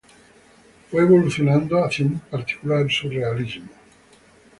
Fue evolucionando hacia un particular Surrealismo.